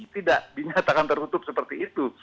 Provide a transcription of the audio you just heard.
tidak dinyatakan tertutup seperti itu